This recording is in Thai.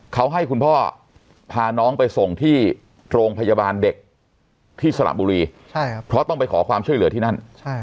เขาให้คุณพ่อพาน้องไปส่งที่โรงพยาบาลเด็กที่สระบุรีเพราะต้องไปขอความช่วยเหลือที่นั่น